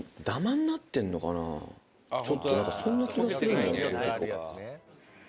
「ちょっとなんかそんな気がするんだよ」